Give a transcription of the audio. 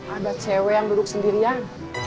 ada cewek yang duduk sendirian